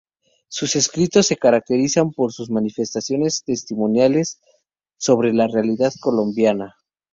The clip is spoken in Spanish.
Sus escritos se caracterizan por sus manifestaciones testimoniales sobre la realidad colombiana.